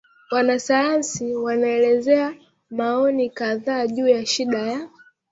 Wanasayansi wanaelezea maoni kadhaa juu ya shida ya